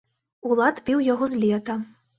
Улад піў яго з лета.